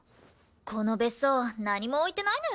この別荘何も置いてないのよね。